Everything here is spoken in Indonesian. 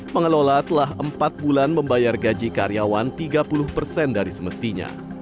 pengelola telah empat bulan membayar gaji karyawan tiga puluh persen dari semestinya